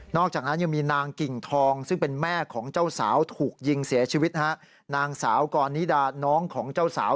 นอกจากนั้นยังมีนางกิ่งทอง